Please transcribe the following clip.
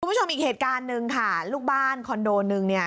คุณผู้ชมอีกเหตุการณ์หนึ่งค่ะลูกบ้านคอนโดนึงเนี่ย